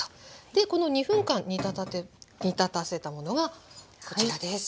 この２分間煮立たせたものがこちらです。